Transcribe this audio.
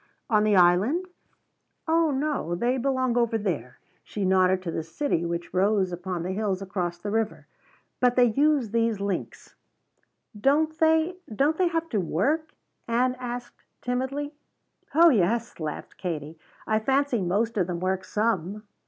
"On the Island? Oh, no; they belong over there." She nodded to the city which rose upon the hills across the river. "But they use these links." "Don't they don't they have to work?" Ann asked timidly. "Oh, yes," laughed Katie; "I fancy most of them work some.